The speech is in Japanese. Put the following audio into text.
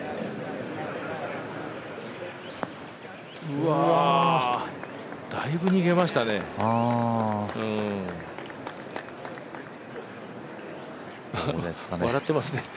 うわ、だいぶ逃げましたね笑ってますね。